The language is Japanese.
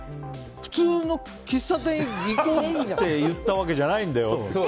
普通の喫茶店行こうって言ったわけじゃないんだよ。